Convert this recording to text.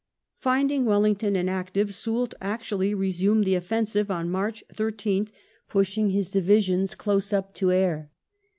Finding Wellington inactive, Soult actually resumed the offensive on March 13th, pushing his divisions close up to Aire.